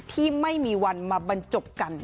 ที่ไม่มีวันมาบรรจบกัน